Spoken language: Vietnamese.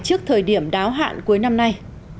trước thời điểm đáo hạn cuối năm nay